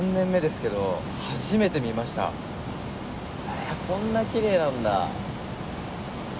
へえこんなきれいなんだ。